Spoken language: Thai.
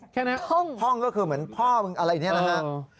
แค่นั้นครับพ่องก็คือเหมือนพ่อมึงอะไรอย่างนี้นะครับพ่อได้ยินคำนี้อะไรนะครับพ่อง